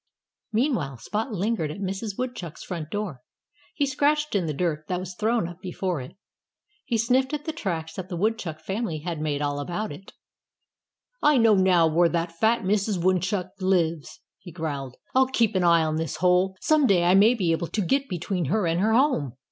Meanwhile Spot lingered at Mrs. Woodchuck's front door. He scratched in the dirt that was thrown up before it. He sniffed at the tracks that the Woodchuck family had made all about. "I know now where that fat Mrs. Woodchuck lives," he growled. "I'll keep an eye on this hole. Some day I may be able to get between her and her home.